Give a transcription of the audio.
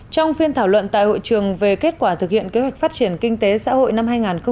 trong phiên thảo luận tại hội trường về kết quả thực hiện kế hoạch phát triển kinh tế xã hội năm hai nghìn một mươi tám